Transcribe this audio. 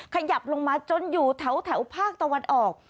ขยับลงมาจนอยู่แถวภาคตะวันออก